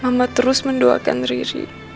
mama terus mendoakan riri